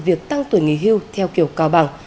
việc tăng tuổi nghỉ hưu theo kiểu cao bằng